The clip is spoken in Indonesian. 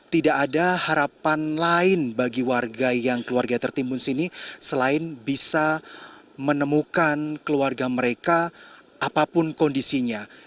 tidak ada harapan lain bagi warga yang keluarga tertimbun sini selain bisa menemukan keluarga mereka apapun kondisinya